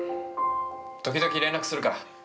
時々連絡するから。